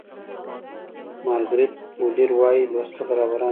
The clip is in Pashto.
مارګریت فو لیر وایي لوستل رهبران جوړوي.